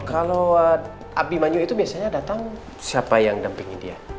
kalau abimanyu itu biasanya datang siapa yang dampingi dia